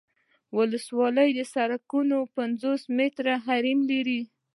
ولسوالي سرکونه پنځلس متره حریم لري